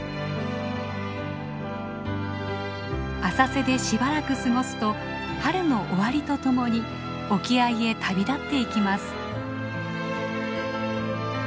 浅瀬でしばらく過ごすと春の終わりとともに沖合へ旅立っていきます。